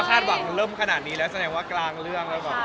คนก็คาดหวังเริ่มขนาดนี้แล้วแสดงว่ากลางเรื่องแล้ว